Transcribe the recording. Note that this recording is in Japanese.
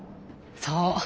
そう。